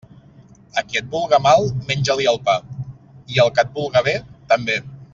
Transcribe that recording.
A qui et vulga mal, menja-li el pa, i al que et vulga bé, també.